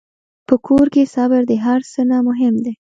په کور کې صبر د هر څه نه مهم دی.